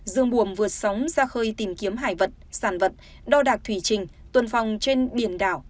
dương bùa vượt sóng ra khơi tìm kiếm hải vật sản vật đo đạc thủy trình tuần phòng trên biển đảo